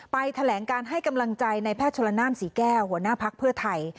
แถลงการให้กำลังใจในแพทย์ชนละนานศรีแก้วหัวหน้าภักดิ์เพื่อไทย